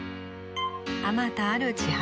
あまたある千春